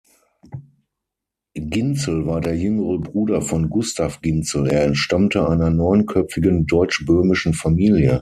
Ginzel war der jüngere Bruder von Gustav Ginzel, er entstammte einer neunköpfigen deutschböhmischen Familie.